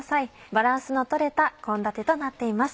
バランスの取れた献立となっています。